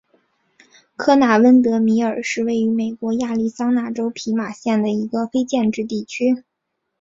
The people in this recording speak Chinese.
科纳温德米尔是位于美国亚利桑那州皮马县的一个非建制地区。